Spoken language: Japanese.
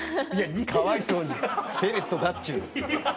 かわいそうにフェレットだっちゅうの。